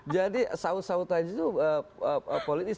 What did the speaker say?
jadi sawut sawutan itu politis